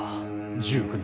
１９日。